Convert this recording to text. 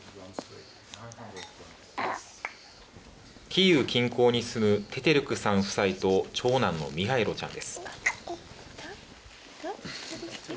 キーウ近郊に住むテテルクさん夫妻と長男のミハイロちゃんです。